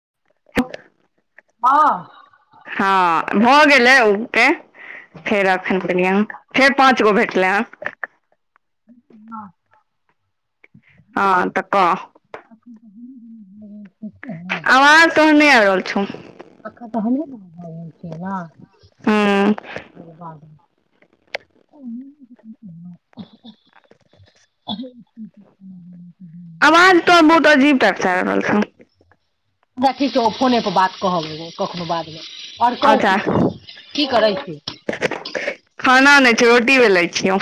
[unintelligible] हँ हँ भऽ गेलै ओके फेर एखन गेलिय फेर पाँच गो भेटलय हन हँ ह त क एखन आवाज तो नहि आ रहल छौ कका त ह हूँ ओ बाद [unintelligible] [unintelligible] आवाज तऽ बहुत अजीब टाइप से आइब रहल छौ अच्छा ठीक छै ओ फोने पर बात कहब कखनो बादमें आ और कहू अच्छा की करै छी खाना नहि छै रोटी बेलै छियौ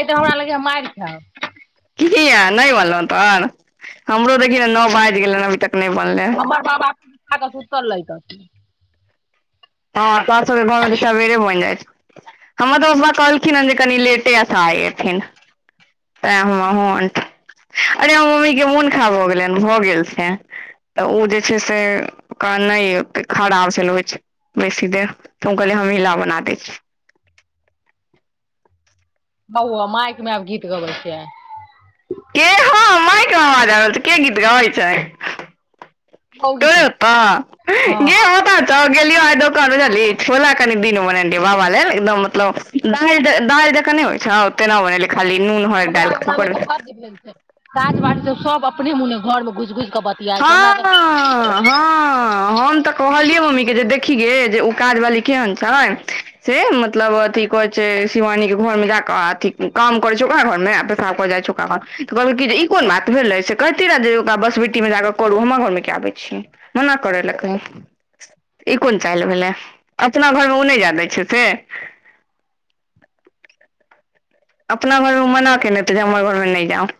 आइ तऽ हमरा लगै मारि खैब किय नहि बनलहुँ तर हमरो देखिय ने नौ बाजि गेलै अभी तक नहि बनलय हमर बाबा खा कर सुतल रहितथिन हँ तोहर सबके घर में सबेरे बनि जाइत छौ हमर तऽ पप्पा कहलखिन हेँ जे कनि लेटे आ आइ एथीन तै हमहु अनठेने अरे हम मम्मी के मोन खा भऽ गेलनि भऽ गेल छै तऽ ओ जे छै से कम नहि अबतैय खराब छल होइ छै बेसी देर त हम कहली हमिला बना द छी बहुआ माइक मे आब गीत गबय छियै के हँ मायक मे आवाज आबि रहल छय के गीत गाबैत छय बौ गीत तोरे सब ओतैय हँ गे होत त गेलिलो आय दुकान पर बचझलहि छोला कनि द भ बाबा ल एकदम मतलब दाल नै होई छौ तेना बनेलियै खाली नून हरैद हमरा डालि कऽ घर में कूकर तऽ मे हद भेल छै काजबाली त सब अपने मुने घर में घुस घुस हँ हँ हम तऽ कहलियै मम्मी के जे काज वाली केहन छै से मतलब अथी कहै छै शिवानी के घर मे जाक अथी काम करै छै ओकरा घर मे पेसाब कऽ जाइ छै ओकरा घर तऽ कहलकै ई कोन बात भेल रहे से कैहती रह से ओकरा बस बिट्टी मे जाक करू हमर घर मे किया आबै छीयै मना करे लै कहिन ई कोन चालि भेलै एतना घर मे ओ नहि जाय दै छौ से [inaudible] अपना घर मे मना केने हेतै जे हमर घर मे नहि जाउ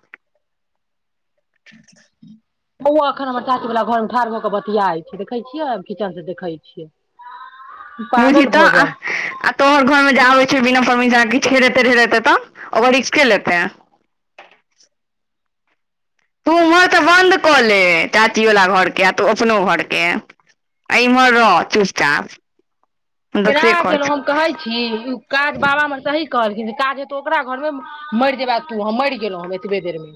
बोआ एखन हमर चाची वाला घरमे ठाढ़ भऽ कऽ बतियाइत छै देखै छियै हम किचन से देखै छियै बझही पागल तऽ भऽ आ जायब आ तोहर घर मे जे आबै छौ बिना परमिसन के किछ हैरेतै ढेरेतै तब ओकर रिक्स के लेतेै [unintelligible] तू उम्हर तऽ बन्द कऽ ले चाची बाला घर के आ तू अपनो घर के एहि म रह चुप चाप केना कलहुँ हम कहै छी ओ काज बाबा हमर सही कहलखिन काज हेतौ ओकरा घरमे मरि जेबै तू मरि गेलो हम एतबे देर मे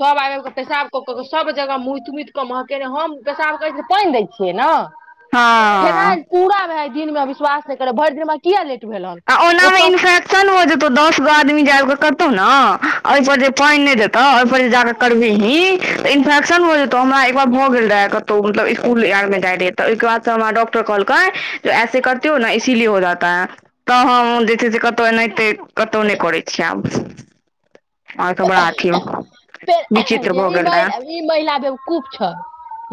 सभ आबि आबि कऽ पेशाब कऽ कऽ के सभ जगह मुइत मुइत कऽ महकेने हम पेशाब करै छिए तऽ पानि दै छियै ने हँ फेनाइल पूरा भय दिनमे विश्वास नहि करब भरि दिन हमरा किया लेट भेल हन आ ओना मे ओतऽ इन्फेक्शन हो जेतौ दस गो आदमी जे आबि कऽ कत मुततौ‌ ने ओहि पर जे पानि नहि देतौ ओहि पर जे जाके करबिही तऽ इन्फेक्शन हो जेतौ हमरा एकार भऽ गेल रह कतौ मतलब स्कूल मे रह तऽ ओहिक बाद हमरा डॉक्टर कहलकै ऐसे [unintelligible] हो न इसीलिए हो जाता है तऽ हम जे छै से कतहु एनाहिते कतहु नहि करै छियै आब आओर सब बड़ा अथी हौ जे ई ई महिला बेवकूफ छ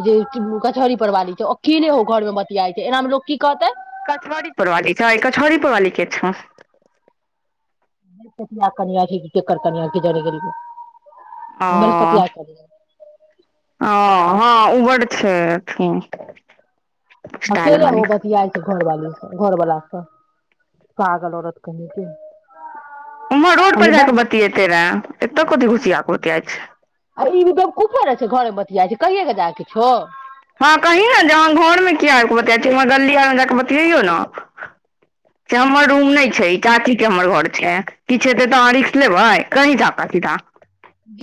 जे कछहरी परवाली छै की नहि हो घर मे बतियाइ छै एना मे लोक क कहतै कछहरी परवाली छै कछहरी परवाली के छै कनियाँ कि जाने गेलियै [unintelligible] बेल पतिया [unintelligible] ह हँ ऊबड़ छै स्टाइल अकेले वाली हो बतियाय छै घरवाली घरवला सँ पागल औरत कहीं के उम्हर रोड पर हमे जा कऽ बस बतिएते रहे एतय कथी घुसिया कऽ बतियाय छै घर बतिया छै कहि के जाके किछो हँ कही ने जे हमाँ घरमे किया आ बत छीय हमर गली आरमे जा कऽ बतियैयौ ने [inaudible] से हमर रूम नहि छै ई चाची के हमर घर छै किछु हेते तऽ अहाँ रिस्क लेबय कही च काथी त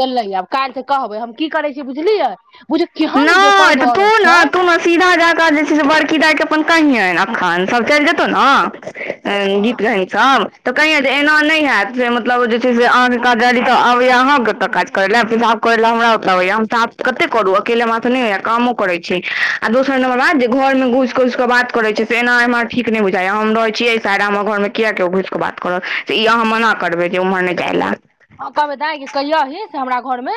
गेलए आब काल्हि त कहबै हम की करय छी बुझलियै बुझियौ केहन ओ नै बेपर्द तऽ तू औरत न छै तू न सीधा जा कऽ जे छै से बड़ की दाय के अपन कहियनि अखन सब चलि जेतौ ने हँ गीत गहिन सब तऽ कहिये जे एना नहि ह होयैत से मतलब जे छै से अहाँके काजी तऽ आबैया अहाँके ओतय काज करै ले पेशाब करैले हमरा ओतय आबैये हम तऽ साफ कते करू अक केले अपने कामो करे छै आ दोसर नंबर बाद जे घर मे घुसि घुसि कऽ बात करे छै से एना ए ठीक नहि बुझाइ हम रहै छीयै सायारा हमर घरमे किया केओ घुसिक के बात करत से ई अहाँ मना करबै जे उम्हर नहि जाय लै हँ कहबइ दाइ कहियही से हमरा घर मे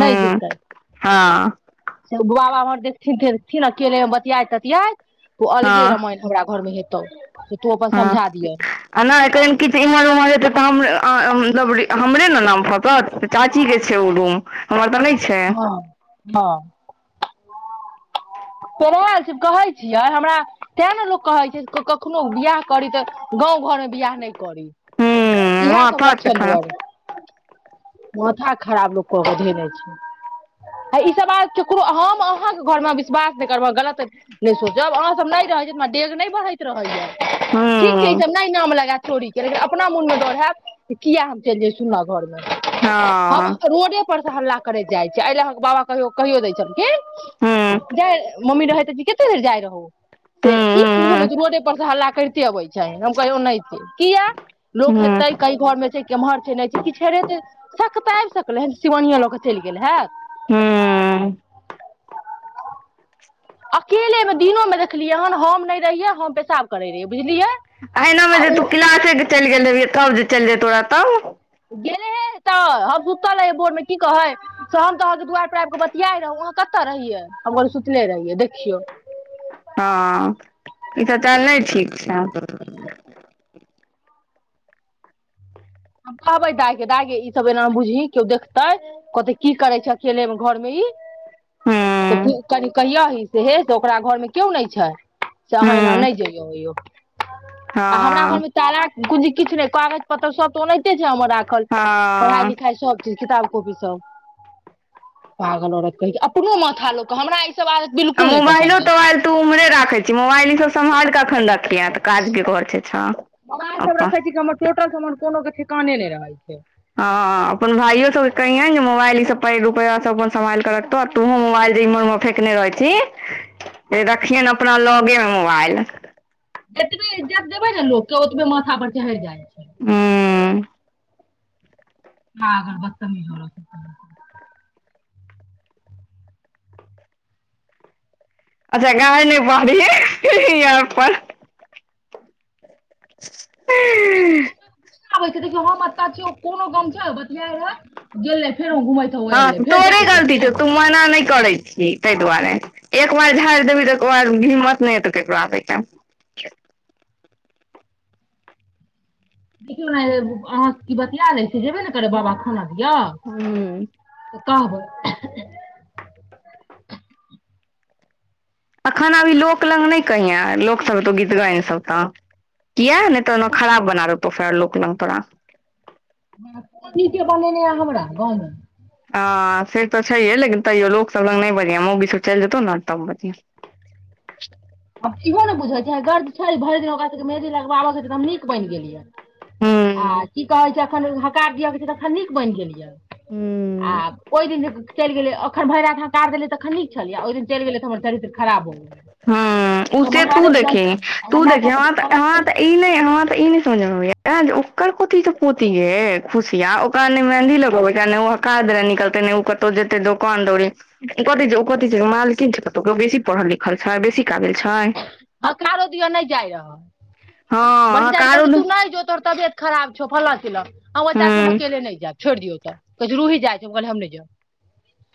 नहि जतै हँ से उ भु म देखथिन देखथिन अकेले मे बतियाइत ततियाइत ओ अलगे हँ रामायण हमरा घर मे हेतौ से तू अपन हँ समझा दियह आ नहि एक कि इम्हर उम्हर हे तै मतलब हमरे ने नाम फसत चाची के छै ओ रूम हमर तऽ नहि छै हँ हँ छी कहै छियै हमरा तैँ ने लोक कहै छै कखनो बिआह करी तऽ गाँव घरमे बियाह नहि करी हूँ इएह सब माथा छै लक्षण खाना दोआरे माथा खराब लोक क कऽ धेने छै ई सब बात ककरो हम अहाँके घर मे विश्वास नहि करब गलत नहि सोचब अहाँ सब नहि रा डेग नहि बढ़ैत रहैया ठीक छै ई हूँ सब नहि नाम लगायत छोरीे लेकिन अपना मोनमे डर हयब किया हम चलि जाय सुना घरमे हम हँ रोडे परसँ हल्ला करैत जाइ छी एहि लए अहाँ बाबा कहियो कहियो दय छलखिन हूँ जा मम्मी रहैत कि कतेक देर जाइ रहो से हूँ ई की भेलो हूँ त रोडे पर से हल्ला करिते अबय छय हम कहलिय ओनहाईते किये लोक हूँ हेतय कई घर मे छय केम्हर छै नहि छै किछ हेेरेते सख तऽ आब सकलय ह सिवानियिया लऽ क चलि गेल हेत हू अकेलेमे दिनोमे देखलियै हन हम नहि रहियै हम पेशाब करैत रहीय अहिनामे जे तू क्लासेके चलि गेल रहह तब जे चलि जेतो तोरा तब गेलै ह तऽ हम सुतलै बोर्रमे की कहै सेऽ हम तऽ अहाँके दुआरि पर आबि कऽ बतियाइ रहौँ अहाँ कतऽ रहियै हम सुतले रहियै देखियौ हँ ई तऽ चाल नही ठीक छै हम कहबै दाय के दाय गे ई सब एना मे बुझही केओ देखते कहते की करे छय अकेले में घर मे ई कनि कहिय से हे से ओकरा घरमे क्यो नहि छय से हूँ अहाँ एना हँ नहि जइयौ आ हमरा घरमे तारा कुजी किछु नहि कागज पतर सब तऽ ओनाहिते छै हमर राखल पढ़ाई हँ लिखाई सब चीज किताब कोबी सब पागल औरत कहीके अपनो माथा लोक क हमरा अयै आ मोबाइलो तोबाल तू उम्हरे राखै छी मोबाइल इसभ सम्हाल क अखन रखियैहे त काज के घर छैय मोबाइल सभ रखे छी की हमर टोटल समान कोनो के ठिकाने नहि रहै छैय ह अपन भाइयो सबके कहियेै जे मोबाइल ईसभ पैर रुपैया अपन सम्हाल कऽ रखतौ आ तोहँ मोबाइल एलजिमर मे फेकने रहै छी जे देखखिय अपना लगे मे मोबाइल जतबे इज्जत देबै न लोक के ओतबे माथा पर चहैड़ जाय हू पागल बततमीज औरत काहां के अच्छा गाइड़ नहि पारही याँ पर देखियौ हम एतव छी ओ कोनो गम छैय बतिया हैय गेले हँ तोरे गलती छौ तू छै। मोना नहि करै छी ताहि दुआरे ए एक बार झाड़ि देबी तैके बाद हिम्मत नहि हतौ ककरो आबै के देखियौ ने अहाँ की बतिया लै छी जेबे नै करै बाबा के खाना दिअ हूँ तऽ कहबै एखन अभी लोक लग नहि कहिय लोकसभ तऽ गीत गीतगायन सभ तऽ किया नइतन ओ खराब बना त फेर लोक लंग तोड़ा दीदे बनेने या हमरा गांव में आ से तो छैहे लेकिन तैयो लोकसभ लग नहि बजिहें मौगी सब चलि जेतौ ने तब बजिहें आब इहो ने बुझैत छेह गर्ज छै भरि दिन ओकरा सभके मेहंदी लगबाबके त नीक बनि गेल यै आ हूँ की कहै छै अखन हकार दिअ के छै त नीक बनि गेल य आ हूँ ओहि दिन चलि गेलिए अखन भरि राति हकार देलियै तखन नीक छलिए आ ओहि दिन चैल तऽ हमर चरित्र खराब भ गेलै हा उ तऽ सेे तू महादेव देखही जलखिन आ तू हमरा देखहि साथे हा केओ त गलत हा केलक त ई नहि हां त ई नहि समझ आबैय यैल जे ओकर कोथी सब पोथी यै खुशिया ओकाल नैय मेहन्दी लगबैया नैय ओ हकार दैय ले निकलतै नैय उ कतो जेतै दोकान दौरी उ कथी छै उ कथी छै मालकिन छै कतौ के उ बेसी पढ़ल ली उ छौड़ा बेसी काबिल छै हकारो दिअ नहि जाय रह हँ बड़की चाची हकारो कहलकै दु तू नहि जो तोहर तबियत खराब छौ फल्ला चिल्ला आबो चाची हूँ हम अकेले नहि जायब छोड़ि दियौ तऽ कोई जरूरी जाइ छै हम कहलियै हम नहि जायब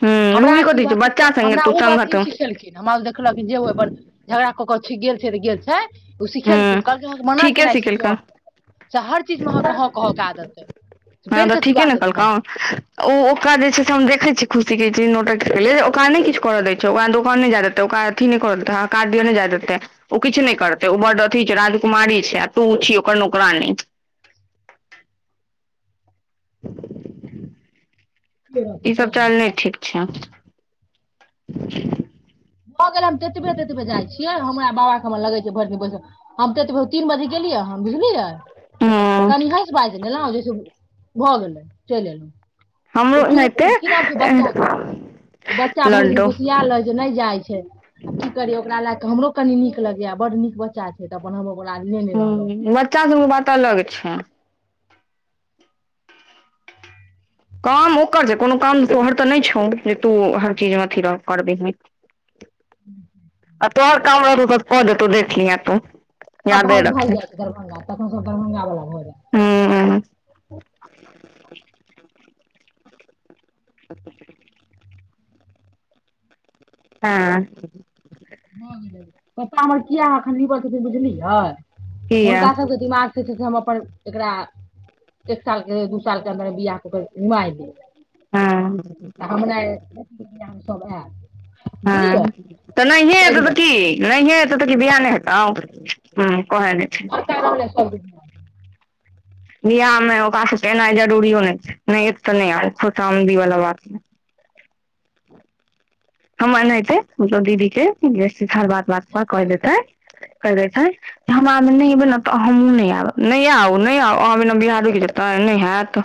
त हमरा ई बात ओ क हमरा उ बात ई सिखेलखिन हमरा देखलखिन जे ओय बड्ड झगड़ा ओ क छी गेल छैन गेल छै ओ हूँ सिखेलखिन कहलकै मना ठीके केने छी सिखेलकै क्यो चा हर चीज मे अहाँ के हँ कहके आदत यै हँ तऽ ठीके ने कहलकौ ओ ओका जे छै से हम देखै छी खुशी के जे नोटक अलै ओकरा नैय किछु करव दै छै ओवा दोकान नहि जेय दतै ओका अथी नहि करव दतै हकार दिया नैय जा ओ किछु नहि करतै ओ बड्ड अथु छै राजकुमारी छै आ तू छी ओकर नौकरानी ई सब चाइल नै ठीक छै [inaudible] भऽ गेल हम तेतबे तेतबे जाइ छियै हमरा बाबाक हमरा लगे छै भरि दिन बैसे हम ततबे तीन बजे गेलियै हन बुझलियै हूँ कनि हँस बाजि लेलहुँ जैसे भऽ गेलै चलि एलहुँ उ हमरो चुनु एनाहिते की नाम छै बच्चा के उ बच्चा भरि दिन लड्डू घुसियाल रहै छै नहि आय छै आब की करिय ओकरा लए कऽ हमरो कनी नीक लगैया बड नीक बच्चा छै तऽ अपन हम ओकरा लेने रहलहुँ हुँ बच्चा सभके बात अलग छै काम ओकर छै कोनो काम तोहर तऽ नहि छौ जे तू हर चीजमे अथी रह करबिही [inaudible] [inaudible] आ तोहर काम रहतौ तऽ कऽ देतो देखलिहें तू सभ यादे भागि भागि रखी जाइ छै दरभंगा तखन सभ दरभंगावला भऽ हूँ जाइ छै [inaudible] हँ भऽ गेलै पप्पा हमर किया एखन लिबल छथिन बुझलियै किया हुनका सबके दिमाग छै से हम एकरा एक साल के दू साल के अन्दर बियाह कऽ कऽ नुमाहि देबै हँ तऽ हमरा अइछ जे हम सब एब बुझलियै नहिए ताहि एतौ दुआरे तऽ की नहिए एतौ तऽ की बियाह नै हेतौ हूँ कहैले जे लड़का छै रहलै सब अहाँ बियाहमे ओकरा सब के एनाइ जरुरीयो नै छै नै एत तऽ नै आउ खोशामदी वाला बात नै हमर नैतै जो दीदी के गेट हर हर बात बात कहि देतै कहि दै छै हमरा मे नै एबय ने त हमहुँ नै एब नै आउ नहि आउ अहाँ बिना बियाह रुकि जेतै नहि हैत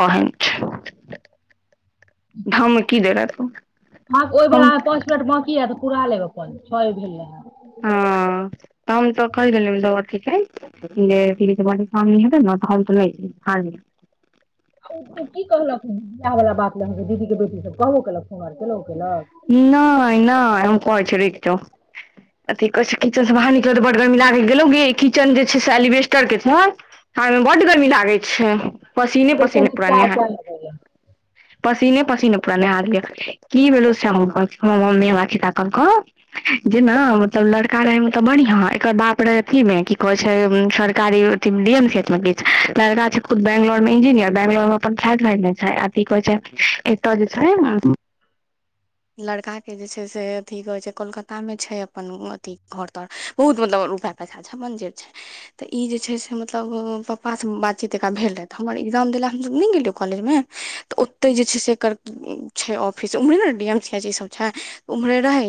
कहै नै छै धमकी देबं तू माँ ओहि बला में पाँच मिनट बांकी हेत तऽ पूरा लेब अपन छये भेल रहै हँ त हम तऽ कहि देलिये लट ठीक ऐ जे पिली ब सामनी हेतै न त हम त नै जेबय इए बला बात लके दीदी के बेटी सब कहबोकेलक हमरा कि नहि नै नै हम कहै छी रुकी जाऊ अथी कहै छै किचन से बाहर निकल तऽ बड गर्मी लागी गेलौ गे किचन जे छै से एलिवेस्टर के छौ हँ ओइमे बड्ड गर्मी लागै छै पसीने पसीने बेसन पुरा चाय नेहेल ताय लगेलक पसीने पसीने पूरा नेहा देलक की भेलो से मम्मी हमरा खिसा कहलकौ जेना मतलब लड़ कार रहय हुनका बढ़ियां एकर बाप रहै अथीमे की कहै छै सरकारी डी एम सी एच मे किछु लड़का छै खुद बैंगलोरमे इंजीनियर बैंगलोरमे अपन फ्लेट खरीदने छै आ की कहै छै एतय जे छै [inaudible] लड़का के जे छै से अथी कहै छै कोलकाता मे छै अपन अथी घर तर बहुत मतलब रूपया पैसा छै अपन जे छै तऽ ई जे छै से मतलब पापा से बातचीत एकरा भेल रहे तऽ हमर एग्जाम देला हमसब नहि गेलियो कॉलेज मे तऽ ओते जे छै से एकर छै ऑफिस उम्हरे ने यम झाजी सब छै उम्हरे रहै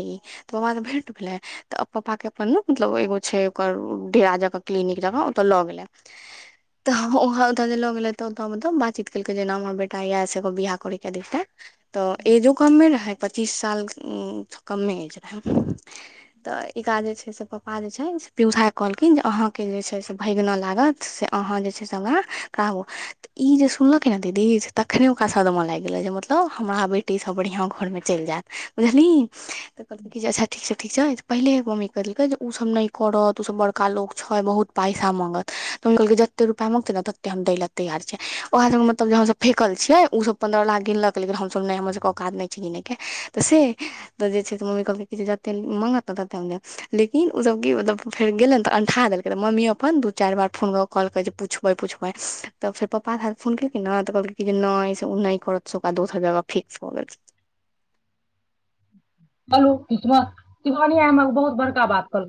त पपा के भेट भेलै तऽ पपा के अपन मतलब ओछै ओकर डेरा जकां क्लिनिक जकां ओतऽ लऽ गेलै तऽ वहाँ ओतऽ जे लऽ गेलै तऽ मतलब बातचीत केलकै जे ने हमर बेटा ये से एगो बियाह करै के देखते तऽ एजो कम्मे रहै पचीस साल उम कमे अछि तऽ एकरा जे छै से पपा जे छै पिऊ झा के कहलखिन जे अहाँकेँ जे छै से भैगना लागत से अहाँ जे छै से हमरा कहाबू ई जे सुनलके ने दीदी तखने ओकरा सदमा लैग गेले जे मतलब हमरा बेटी सब बढ़ियां घर में चैल जेत बुझलहीं तऽ कहलकै कि जे अच्छा ठीक छै ठीक छै पहिले मम्मी कह देलकै जे उ सब नै करत ओ सब बड़का लोक छइ बहुत पइसा मांगत तऽ कहलकै जत ते रुपया मंगतै ने तते हम दैले तैयार छियै ओहे सब के मतलब जे हम सब फेकल छियै उ सब पन्द्रह लाख गिनलक ले हमसब नै हमरसबके औकात नै छै गिनै के त से त जे छै से मम्मी कहलकइ की जे जते माँगत ने तते हम देब लेकिन ओ सब की मतलब फेर त अन्ठा देलकै त मम्मी अपन दू चार बार फोन क क कहलकइ जे पुछबै पुछबै तऽ फेर पपा फोन केलकै ने तऽ कहलके जे नै से उ नइ करत से ओकरा दोसर जगह फिक्स भ गेलै हलो सुषमा तिवानिया हमरा बहुत बड़का बात कहलक